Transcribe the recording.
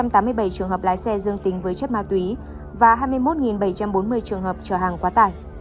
một trăm tám mươi bảy trường hợp lái xe dương tính với chất ma túy và hai mươi một bảy trăm bốn mươi trường hợp trở hàng quá tải